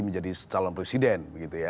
menjadi calon presiden